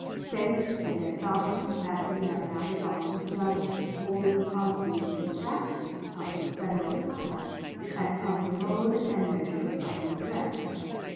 States in their sovereign capacity have now resolved to judge of the infractions of the Federal compact and of the mode and measure of redress....